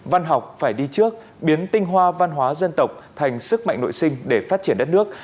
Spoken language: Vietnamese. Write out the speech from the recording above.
văn học phải đi trước biến tinh hoa văn hóa dân tộc thành sức mạnh nội sinh để phát triển đất nước